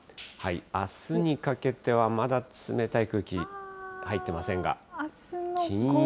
あすにかけてはまだ冷たい空気入ってませんが。